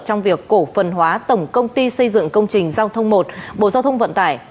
trong việc cổ phần hóa tổng công ty xây dựng công trình giao thông một bộ giao thông vận tải